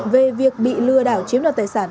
về việc bị lừa đảo chiếm đoạt tài sản